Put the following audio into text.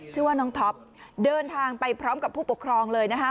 ชื่อว่าน้องท็อปเดินทางไปพร้อมกับผู้ปกครองเลยนะคะ